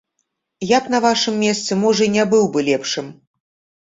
Я б на вашым месцы, можа, і не быў бы лепшым.